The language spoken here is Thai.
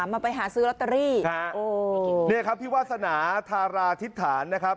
มาไปหาซื้อลอตเตอรี่ฮะโอ้เนี่ยครับพี่วาสนาธาราธิษฐานนะครับ